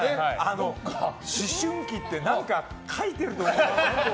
思春期って何かかいてると思いません？